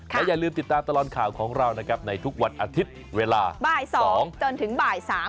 และอย่าลืมติดตามตลอดข่าวของเรานะครับในทุกวันอาทิตย์เวลาบ่าย๒จนถึงบ่าย๓